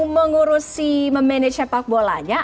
mengurusi memanage sepak bolanya